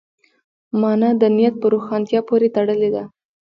مانا د نیت په روښانتیا پورې تړلې ده.